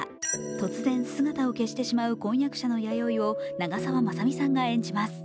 突然姿を消してしまう婚約者の弥生を長澤まさみさんが演じます。